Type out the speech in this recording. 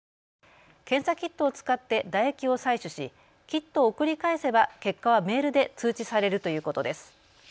検査キットを使って唾液を採取しキットを送り返せば結果はメールで通知されるということです。